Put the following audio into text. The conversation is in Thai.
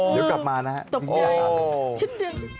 เดี๋ยวกลับมานะครับ